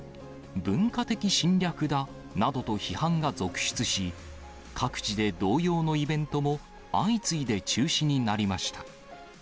文化的侵略だなどと批判が続出し、各地で同様のイベントも相次いで中止になりました。